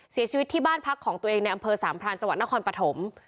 เสียชีวิตที่บ้านพักของตัวเองในอำเภอสามพรานจังหวัดนครปฐม